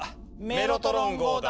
メロトロン号だ。